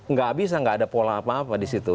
nggak bisa nggak ada pola apa apa di situ